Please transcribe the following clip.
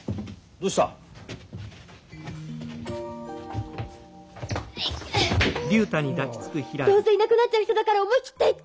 どうせいなくなっちゃう人だから思い切って言っちゃう！